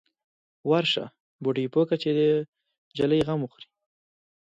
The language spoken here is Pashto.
_ورشه، بوډۍ پوه که چې د نجلۍ غم وخوري.